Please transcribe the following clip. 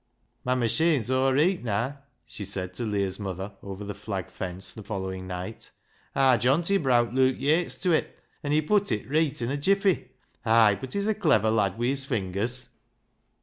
" My machine's aw reet naa," she said to Leah's mother over the flag fence the following night. " Aar Johnty browt Luke Yates tew it, an' he put it reet in a jiffy, — hay, but he's a cliver lad wi' his fingers."